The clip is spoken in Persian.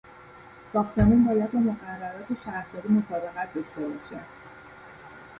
ساختمان باید با مقررات شهرداری مطابقت داشته باشد.